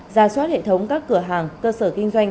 ra soát hệ thống các cửa hàng cơ sở kinh doanh